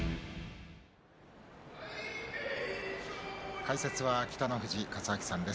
解説は北の富士勝昭さんです。